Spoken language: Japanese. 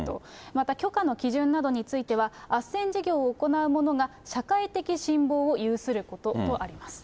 また許可の基準などについては、あっせん事業を行うものが社会的信望を有することとあります。